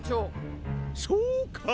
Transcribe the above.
そうか！